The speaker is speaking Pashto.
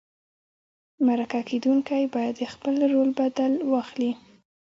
مرکه کېدونکی باید د خپل رول بدل واخلي.